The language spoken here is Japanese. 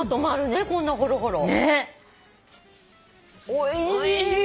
おいしい！